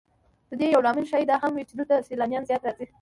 د دې یو لامل ښایي دا هم وي چې دلته سیلانیان زیات راځي.